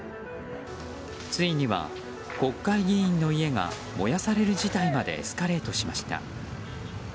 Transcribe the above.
ついには国会議員の家が燃やされる事態にまでエスカレートしました。